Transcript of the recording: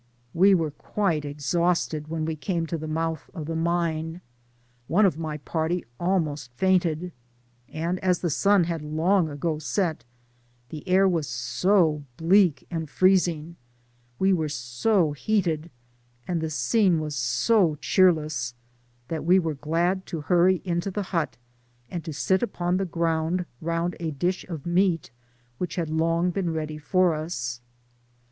We were quite exhausted when we came to the mouth of the mine ; one of my party almost fainted ; and as the sun had long ago set, the air was so bleak and freezing — we were so lwated and the scene was so cheerless, that we were glad to huny into the hut, and to sit upon the grovmd round a dish of meat, which had Icmg been ready for us.